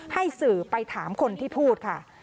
ให้สื่อไปถามคนที่พูดค่ะ